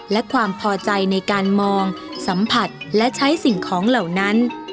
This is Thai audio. และความพอใจในการมองสัมผัสและใช้สิ่งของเหล่านั้น